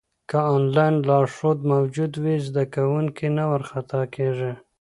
که انلاین لارښود موجود وي، زده کوونکی نه وارخطا کېږي.